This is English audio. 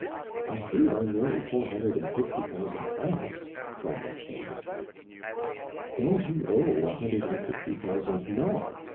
"Why, here are nearly four hundred and fifty thousand francs," cried Esther. "And you owe a hundred and fifty thousand more.